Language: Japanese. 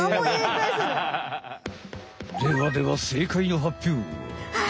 ではでは正解の発表は。